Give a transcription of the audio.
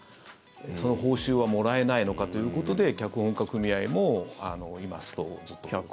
その報酬はもらえないのかということで脚本家組合も今、ストをずっとやっていると。